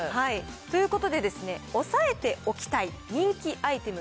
ということで、おさえておきたい人気アイテム